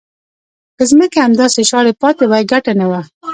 که ځمکې همداسې شاړې پاتې وای ګټه نه وه.